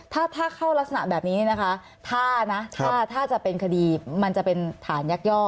ถ้าเข้ารักษณะแบบนี้นะคะถ้านะถ้าจะเป็นคดีมันจะเป็นฐานยักย่อ